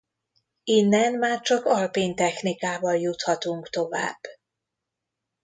Innen már csak alpin technikával juthatunk tovább.